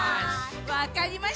わかりました。